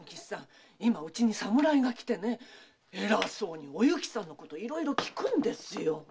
今うちに侍が来て偉そうにおゆきさんのことをいろいろ訊くんですよ。